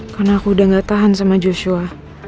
karena aku udah gak tahan sama joshua